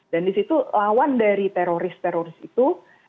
dan di situ lawan dari teroris teroris itu